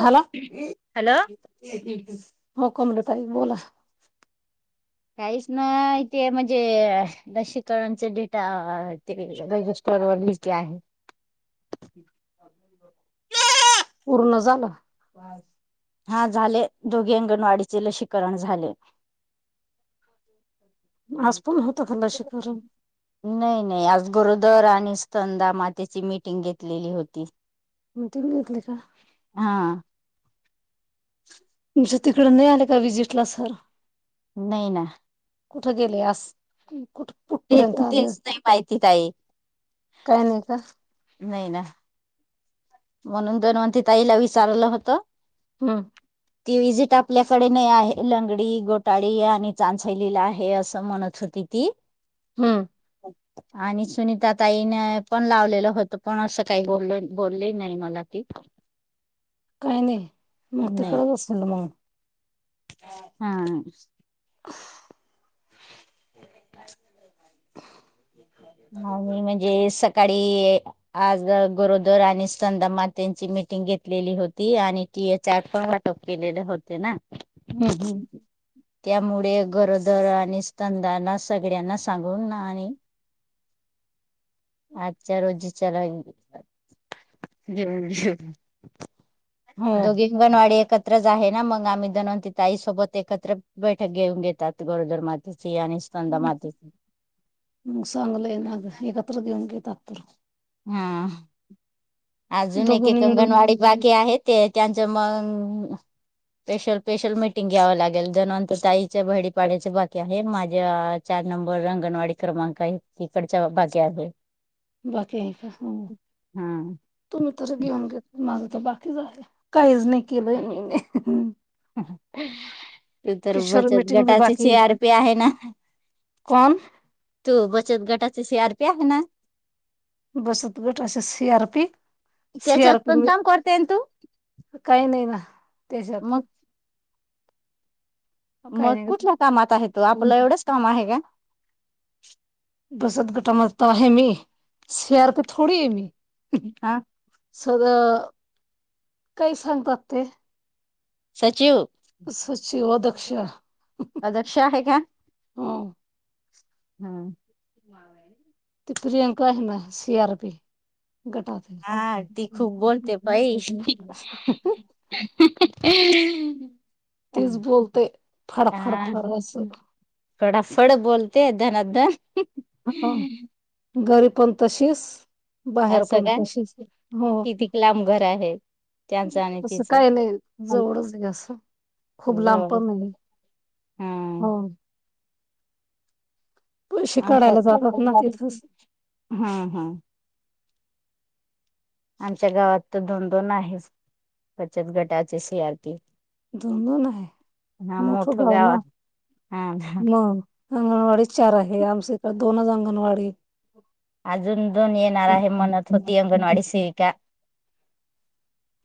Hello. Hello. हो कोमल ताई बोला. काहीच ना इ ते म्हणजे लशीकरणचा डेटा ते ब वरली आहे पूर्ण झालं. हा झाले दोघे अंगणवाडीचे लसीकरण झाले. अस. नाही नाही आज गरो दर आणि स्कंदा मातेची मिटिंग घेतलेली होती. मतेम येत का. हा तुमच्या तिकड नाही आले का विजिटला सर. नाही ना. कुठे गेले अस. ते पण तेच नाही माहिती का आहे काय नाही का नाही ना म्हणून दन्वंती ताईला विचारलं होत. हम. ती विजिट आपल्याकडे नाही आहे लंगडी गोटाळी आणि चांचयलीला आहे असं म्हणत होत. किती. हम्म. आणि सुनीता ताईने पण लावलेलं होत पण असं काही बोलले. नाही मला कि. काही नाही मग तिकडच असेल मग. हा. आणि म्हणजे स काळी आज गोरोदर आणि संंदमा त्यांची मिटिंग घेतलेली होती आणि की चार प वाटप केलेले होते ना. हम्म हम्म. त्यामुळे गरोदर आणि स्तंदांना सगळ्यांना सांगून आणि अच्छा रोजी चलाे हो दोघी अगंणवाडी एकच. च आहे ना मग आम्ही दनवतीि त आईसोबत एकत्र बैठक घेऊन घेतात गोरोदरमात. मग चांगलंय नाग एकत्र घेऊन घेतात तर. हा. अजून एके दोघांनी मिळून अंगणवाडी बाकी आहे ते त्यांचं मग. स्पेशल स्पेशल मीटिंग घ्यावं लागेल दनवंतर ताईच्या बहिपाड्याचे बाकी आहे माझ्या. नंबर अंगणवाडी क्रमांक तिकडच्या भागे आहे. बाकी का हो हा तुम्ही तर घेऊन गेत. माझं तर बाकीच आहे काहीच नाही केलंय मी. त तर किशोर बचत मीटिंग बी गटाची े बाकी आर पी आहे ना. कोण तू बचत गटाची शी आर पी आहे ना. बसत गट अस सीआर पी त्याच्यात सीआर पी पण म काम करते ना तू काही नाही ना त्याच्यात मग काही मग नाही कुठल्या कामात आहे तू आपलं एवढंच काम आहे का. बसत गटामता आहे मी शयार क थोडी आहे मी हा. सदा काय सांगतात ते. सचिव. सचीव अध्यक्ष. अध्यक्ष आहे का. हो. हम्म. ती प्रियंका आहे ना सी आर पी गटात आहे हा ती खूप बोलते बाई हम् ह. तीच बोलते फाडफाडफड असं फडाफड बोलते धनाधन हा घरी पण तशीस असं काय कितीक लांब घर आहे? त्यांचं आणि असं तिचं काय नाही जवळच घर असं खूप लांब जवळ पण नाही. हा हो. पैसे अ काढायला जातात ना तिथंच हां हां. आमच्या गावात तर दोन दोन आहेत, बचत गटाचे सी आर पी दोन दोन हाय, मोठं गाव ना हा मग अंगणवाडी चार आहे. आमच्या इकडे दोनच अंगणवाडी अजून दोन येणार आहे म्हणत होती अंगणवाडी सेविका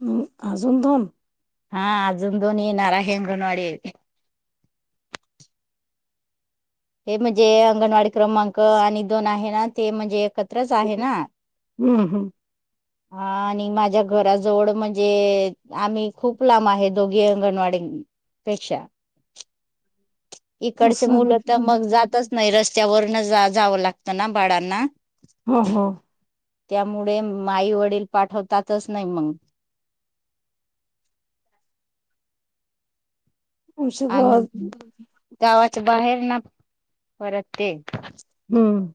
हम् अजून दोन? हा अजून दोन येणार आहे अंगणवाडी हे म्हणजे अंगणवाडी क्रमांक आणि दोन आहे, ना ते म्हणजे एकत हम्म हम्म. हा आणि माझ्या घराजवळ म्हणजे, आम्ही खूप लांब आहे दोघे अंगणवाडी पेक्षा इकडचे असं मुलं तर मग जातच नाही, रस्त्यावरन जा जावं लागतं ना बाळांना- हो हो. त्यामुळे माई वडील पाठवतातच नाही मग [inaudible] आमच्या आणि गावात गावाच्या बाहेर ना परत ते हम्म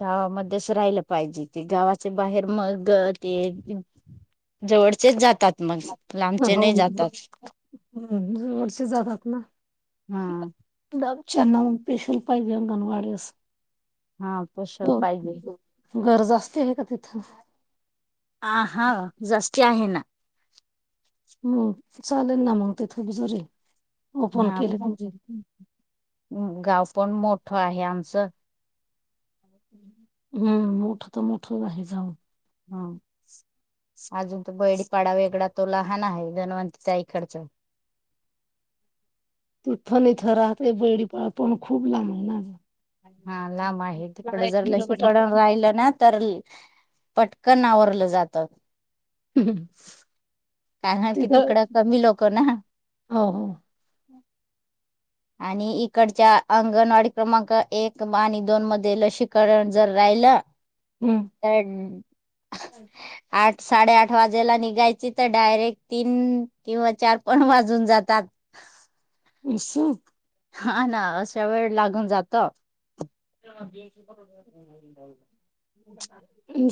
गावा मध्येच राहिलं पाहिजे, ते गावाचे बाहेर मंग् ते- जवळचेच जातात मग लांबचे हो नाही जातात. हम्म जवळचे जातात ना. हां. ज्याना मग स्पेशल पाहिजे. अंगणवाडी आस हा पोषक पाहिजे. गरज असतिल का तिथं? आ हा जास्ती आहे ना. हम्म चालेल ना मग ते थुप जरी ओपन हा केले म्हणजे गाव पण मोठं आहे आमचं. हम्म मोठ तर मोठं आहे जाऊ हम. अजून तो बैलपाडा वेगळा तो लहान आहे जनवंती ताईकडच [inaudible] ती तूथण इथं राहते, बोलली पाडा पण खूप लांब आहे ना हा लांब आहे हा तिकडं एक जर लशीकड किलोमीटर. राहिला ना तर ली पटकन आवरलं जातात. हम्.. कारण कि तिकडं कमी लोक ना हो हो आणि इकडच्या अंगणवाडी क्रमांक एक आणि दोन मध्ये लसीकरण जर राहिलं राहिला हम्म तर आठ ' साडे आठ वाजेला निघायची, तर डायरेक्ट तीन किंवा चार पण वाजून जातात. [unintelligible] अस. हा ना अशा वेळ लागून जात.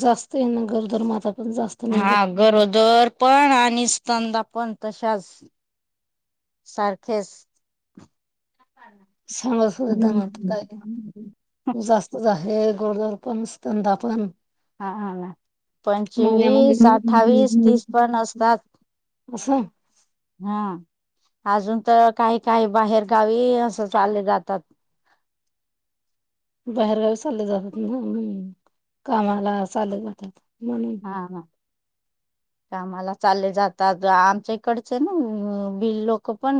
जास्त आहे ना गरोदर माता पण जास्त हा निघत गरोदर पण आणि स्तंनदा आपण तशाच सारखेच चांगली सुविधा म्ह काय हम्म जास्त जास्त हे गरोदर पण स्तंनदा पण हा ना माझ्यामध्ये पंचवीस अठ्ठावीस तीस पण असतात [unintelligible] असं. हा. अजून तर काही काही बाहेर गावी असं चालले जातात. [inaudible] बाहेरगावी चालले जातात ना, कामाला चालले जातात. म्हणून हा हा. कामाला चालले जातात आमच्या इकडचे ना बी लोक पण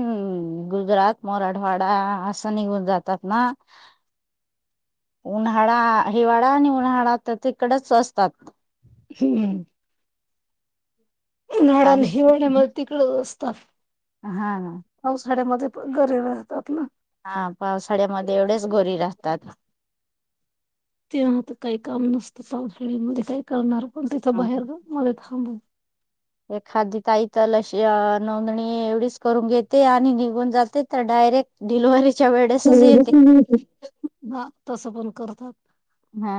गुजरात मराठवाडा असं निघून जातात ना. उन्हाळा, हिवाळा आणि उन्हाळा तर तिकडच असतात. हम्म् उन्हाळा आणि हिवाळ मी तिकड असत. तर हा हा... घरी राहतात ना. हा पावसाळ्यामध्ये एवढेच गोरीला असतात. तेव्हा आता काही काम नसतं, पावसाळ्या मध्ये काय करणार, पण तिथं बाहेर मला थांबव- एखादी ताई तर अशी नोंदणी एवढीच करून घेते. आणि निघून जाते तर डायरेक्ट- डायरेक्ट डिलिव्हरी च. हा, तस पण करतात. हा...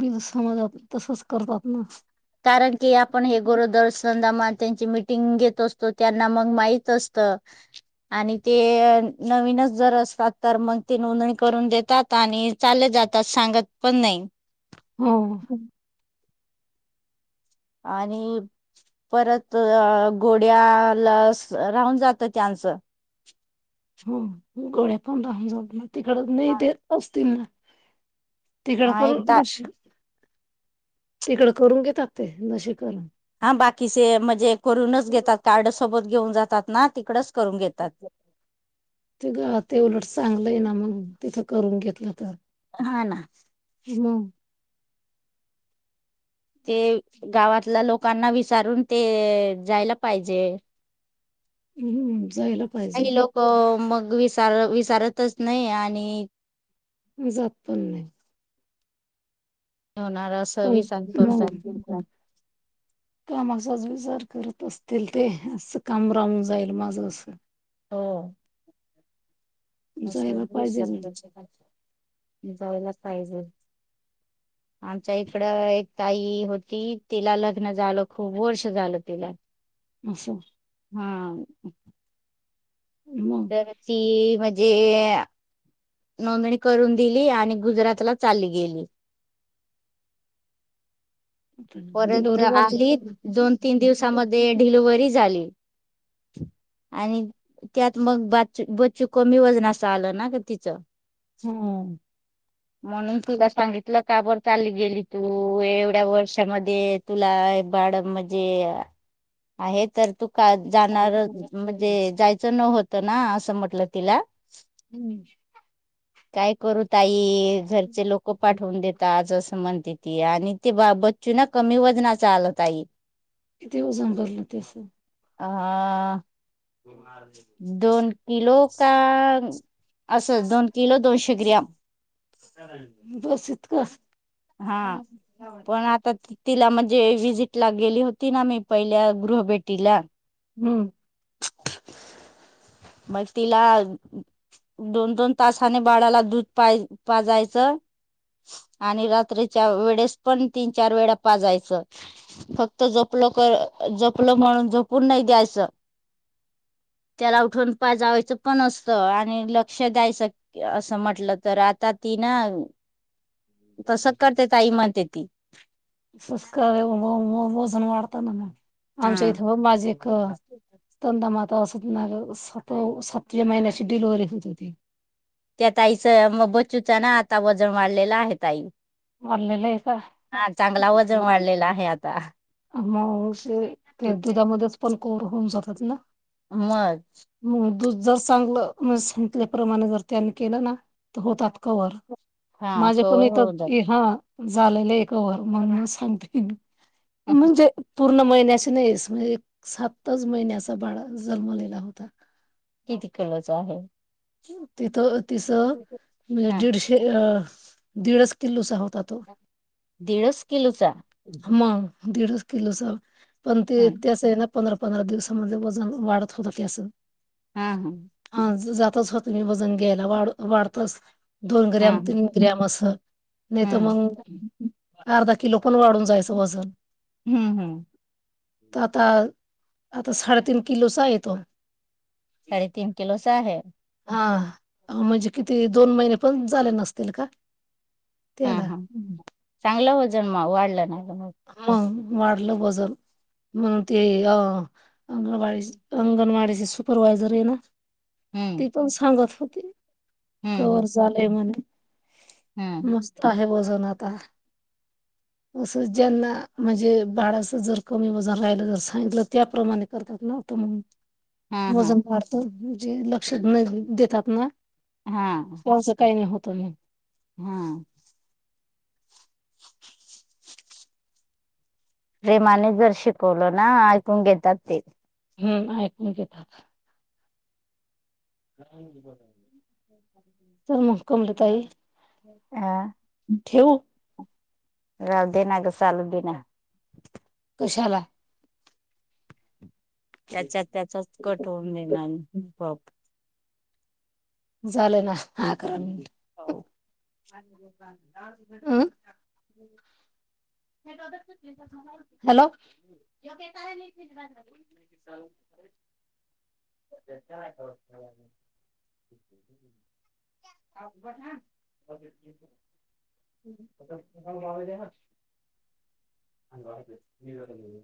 बीज समाजात तसच करतात ना [unintelligible] कारण की आपण हे गोरोदरसमा त्यांची मिटिंग घेत असतो, त्यांना मग माहत असत. आणि ते नवीनच जर असतात. तर मग ते नोंदणी करून देतात. आणि चालले जातात. सांगत पण नाही. हो. आणि परत गोळ्या, लस, राहून जातं त्यांचं. हा [inaudible] हो गोळ्या पण राहून जातात, तिकड नाही देत असतील ना. तिकड हा पण एक ता लशी, तिकडं करून घेतात ते लशी करन. हा बाकीचे म्हणजे करूनच घेतात. कार्ड सोबत घेऊन जातात ना, तिकडच करून घेतात. ते ग, ते उलट, चांगलंय ना मग हा, ना मग ते गावातल्या लोकांना विचारून, ते जायला पाहिजे हम् हमम [unintelligible] काही लोक मग, विसार, विसारतच, नाही आणि जात पण नाही. होणार का असं मग विसार [unintelligible] करतात. तोच विचार करत असतील ते, असं काम रावून जाईल माझं अस हो. अस जायला पाहिजे विचार ना जायला पाहिजे [unintelligible] हा [inaudible] आमच्या इकड एक ताई होती, तिला लग्न झालं खूप वर्ष झालं तिला. असं हा. मग तर ती, म्हणजे नोंदणी करून दिली, आणि गुजरातला चालली गेली. हा हा हा [inaudible] आता परत डिलिव्हरी झाली आली, दोन, तीन, दिवसामध्ये डिलव्हरी झाली. हा [inaudible] आणि त्यात मग, बच बच्चू कमी वजन असं आलं ना, का तिचं हम्म. म्हणून तुला सांगितलं, काबर चाली गेली तू एवढ्या वर्ष त्यामध्ये तुला बाड म्हणजे आहे तर त [unintelligible] का जाणार म्हणजे, जायचं न होतं ना, असं म्हटलं तिला. हम्. काय करू ताई, घरचे लोक पाठवून देतात आज. म्हणते ती, आणि ते बच्चूना कमी वजनाचा आला ताई. किती वाजन भरला त्याचे? अ, दोन किलो का? असंच, दोन किलो, दोनशे ग्रॅम, बस इतकं हा पण आता ति- तिला म्हणजे विजिट ला गेली होती ना, मी पहिल्या गृहभेटीला. हम्म. मग तिला दोन दोन तासाने बाळाला दूध पा पाजयचं आणि रात्रीच्या वेळेस पण तीन चार वेळा पाजायचं फक्त जोप लोकर जपलं म्हणून झपून नाही द्यायचं त्याला उठून पाजावायचं पण असत आणि लक्ष द्यायचं असं म्हटलं तर आता ती ना तस करते तई म्हणते ती हो वजन वाढत ना आमच्या हा इथे माझी त्या एकंद म अस ना सातव महिन्याची डिलवररी होत होती त्या ताई च मग बच्चूचा ना आता वजन वाढलेलं आहे ताई. वारलेलं आहे का हा चांगला वजन वाढलेला आहे आता. मगे ते दुधामध्येच पण कोर होऊन जातात ना. मंच. मग दूध जर चांगल्या सांगितल्याप्रमाणे जर त्यांनी केलं ना तर होतात कवर हा माझ्या पण कवर इथ होऊ जात हा झालेलं एक वर म्हणून सांगते. म्हणजे? पूर्ण महिन्याची नाहीस म्हणजे एक सातच महिन्याचा बाळा जन्मलेला होता. किती किलोचा आहे.? तिथं तिसं म्हणजे हा दीडशे अ दीडच किल्लोचा होत. दीडच किलोचा? मग दीड किलो स पण ते हा इतिहास आहे ना. पंधरा पंधरा दिवसांमध्ये वजन वाढत होतं ते असं. हा हा तसच होत मी वजन घ्यायला वाढतच. दोन हा ग्रॅम तीन ग्रॅम अस नाही हा तर मग. अर्धा किलो पण वाढून जायचं वजन. हम्म हम्म तर आता आता साडेतीन किलोचा येतो. साडेतीन किलोच आहे. हा म्हणजे किती दोन महिने पण झाले नसतील का? त्याला हम हम चांगलं वजन वाढलं ना? म वाढलं वजन. म्हणून ते अ अंगणवाडी अंगणवाडीचे सुपरवायझर आहे ना. हम्म ती पण सांगत होती. क हम्म झालेय म्हणे हम्म मस्त आहे बस. सनाता [unintelligible] ज्यांना म्हणजे बाळाचं जर कमी वजन राहिलं जर सांगितलं त्याप्रमाणे करतात नव्हत मग. हा हा वजन वाढत म्हणजे लक्षात नाही देतात ना. कोणसं काही नाही होत म. हम्म प्रेमाने जर शिकवलो ना ऐकून घेतात ते- हम्म ऐकून घेतात. चल मग कमलाताई. अ ठेऊ? राहू दे ना ग चालू दे ना. कशाला? त्याच्यात त्याचाच कट होन देणार आपोआप. झालं ना अकरा मिनिटे. हो हम हॅलो [inaudible] [unintelligible] [unintelligible] [unintelligible] [unintelligible] अंग वा.